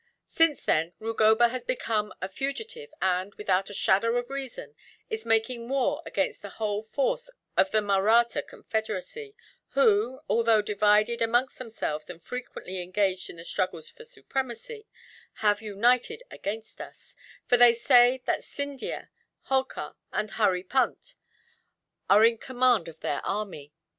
Since then Rugoba has become a fugitive and, without a shadow of reason, is making war against the whole force of the Mahratta confederacy; who, although divided amongst themselves and frequently engaged in the struggles for supremacy, have united against us for they say that Scindia, Holkar, and Hurry Punt are in command of their army.